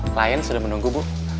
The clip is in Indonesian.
klien sudah menunggu bu